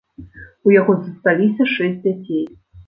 У яго засталіся шэсць дзяцей.